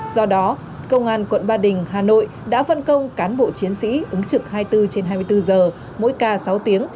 do đó công an quận ba đình hà nội đã phân công cán bộ chiến sĩ ứng trực hai mươi bốn trên hai mươi bốn giờ mỗi ca sáu tiếng